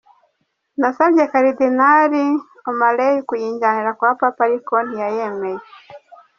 Nasabye Cardinal O’Malley, kuyinjyanira kwa Papa ariko ntiyayemeye.